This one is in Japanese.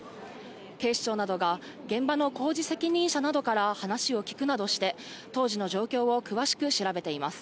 警視庁などが現場の工事責任者などから話を聞くなどして、当時の状況を詳しく調べています。